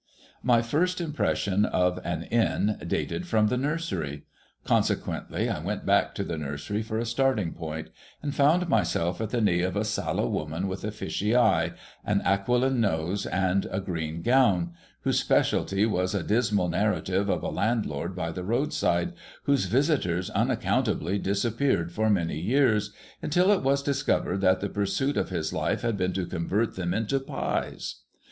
My first impressions of an Inn dated from the Nursery ; con sequently I went back to the Nursery for a starting point, and found myself at the knee of a sallow woman with a fishy eye, an aquiline nose, and a green gown, whose specialty was a dismal narrative of a landlord by the roadside, whose visitors unaccountably disappeared for many years, until it was discovered that the pursuit of his life had been to convert them into pies.